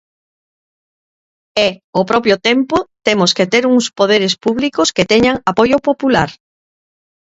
E, ao propio tempo, temos que ter uns poderes públicos que teñan apoio popular.